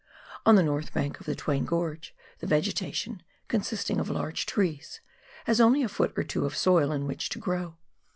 On the north bank of the Twain Gorge, the vegetation, consisting of large trees, has only a foot or two of soil in which to grow.